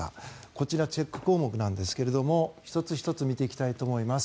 こちらチェック項目なんですけれども１つ１つ見ていきたいと思います。